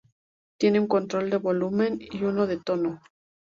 Tiene un control de volumen y uno de tono.